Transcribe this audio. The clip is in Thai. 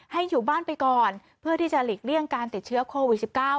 อยู่บ้านไปก่อนเพื่อที่จะหลีกเลี่ยงการติดเชื้อโควิด๑๙